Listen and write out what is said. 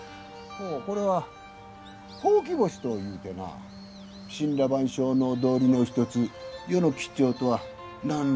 ほうこれはほうき星と言うてな森羅万象の道理の１つ世の吉兆とは何ら関わりが無い。